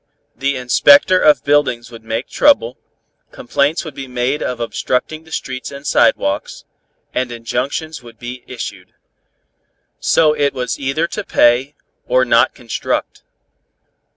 The inspector of buildings would make trouble; complaints would be made of obstructing the streets and sidewalks, and injunctions would be issued. So it was either to pay, or not construct.